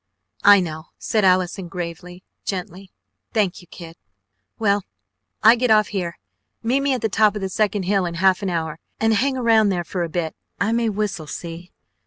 "I know!" said Allison gravely, gently. "Thank you, kid! Well. I get off here. Meet me at the top of the second hill in half an hour, and hang around there for a bit. I may whistle, see?